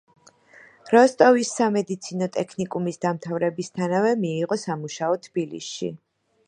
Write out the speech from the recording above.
როსტოვის სამედიცინო ტექნიკუმის დამთავრებისთანავე მიიღო სამუშაო თბილისში.